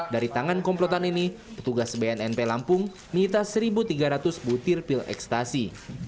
dari tangan komplotan ini petugas bnnp lampung menyita satu tiga ratus butir pil ekstasi